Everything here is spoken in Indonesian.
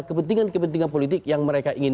kepentingan kepentingan politik yang mereka ingin